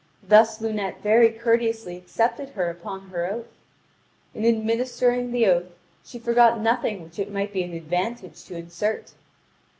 Thus Lunete very courteously accepted her upon her oath. In administering the oath, she forgot nothing which it might be an advantage to insert.